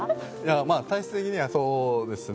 まあ、体質的にはそうですね。